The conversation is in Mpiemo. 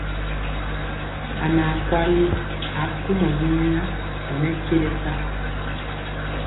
A naa kwali akomɔ binya ɔ nɔ kelepa.